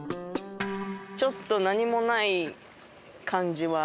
ちょっと何もない感じは。